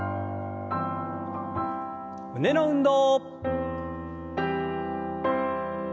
胸の運動。